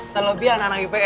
terlebih anak anak ips yoi gak